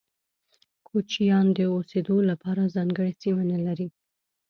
کوچيان د اوسيدو لپاره ځانګړي سیمه نلري.